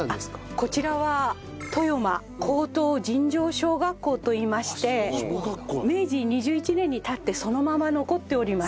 こちらは登米高等尋常小学校といいまして明治２１年に建ってそのまま残っております。